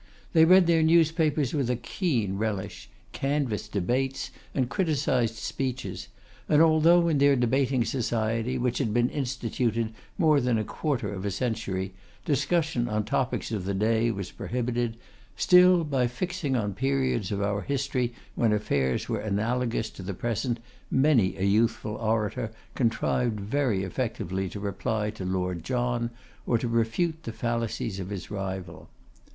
They read their newspapers with a keen relish, canvassed debates, and criticised speeches; and although in their debating society, which had been instituted more than a quarter of a century, discussion on topics of the day was prohibited, still by fixing on periods of our history when affairs were analogous to the present, many a youthful orator contrived very effectively to reply to Lord John, or to refute the fallacies of his rival.